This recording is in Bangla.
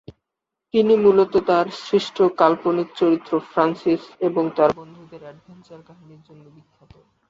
তিনি মূলত তার সৃষ্ট কাল্পনিক চরিত্র ফ্রান্সিস এবং তার বন্ধুদের অ্যাডভেঞ্চার কাহিনীর জন্য বিখ্যাত।